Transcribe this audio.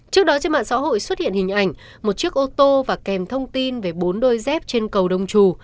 trước đó trên mạng xã hội xuất hiện hình ảnh một chiếc ô tô và kèm thông tin về bốn đôi dép trên cầu đông trù